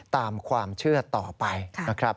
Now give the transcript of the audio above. ตามความเชื่อต่อไปนะครับ